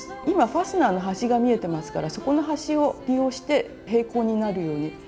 今ファスナーの端が見えてますからそこの端を利用して平行になるように。